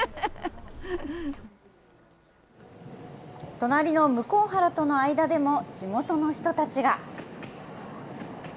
隣の向原との間でも地元の人たちが。